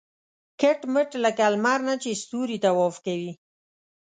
کټ مټ لکه لمر نه چې ستوري طواف کوي.